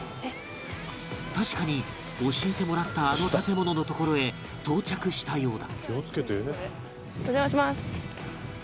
確かに教えてもらったあの建物の所へ到着したようだ